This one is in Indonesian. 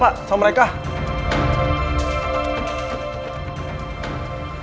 per cousins juga kamu